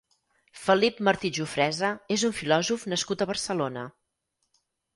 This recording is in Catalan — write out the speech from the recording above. Felip Martí-Jufresa és un filòsof nascut a Barcelona.